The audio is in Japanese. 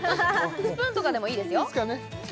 スプーンとかでもいいですよ